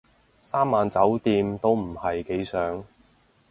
三晚酒店都唔係幾想